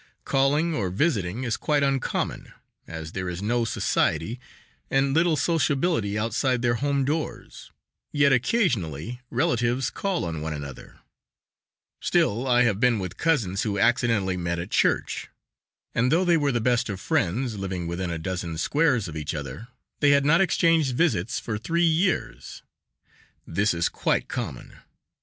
Calling or visiting is quite uncommon, as there is no society, and little sociability outside their home doors, yet occasionally relatives call on one another; still I have been with cousins who accidentally met at church, and though they were the best of friends, living within a dozen squares of each other, they had not exchanged visits for three years; this is quite common.